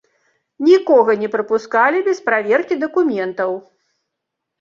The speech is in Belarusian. Нікога не прапускалі без праверкі дакументаў.